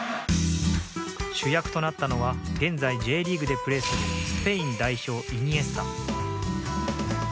主役となったのは現在、Ｊリーグでプレーするスペイン代表、イニエスタ。